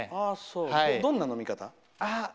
どんな飲み方？